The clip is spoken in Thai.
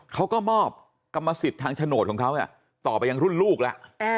เขาก็มอบกรรมสิทธิ์ทางโฉนดของเขาต่อไปยังรุ่นลูกแล้ว